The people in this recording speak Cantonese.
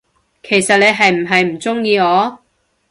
其實你係唔係唔鍾意我，？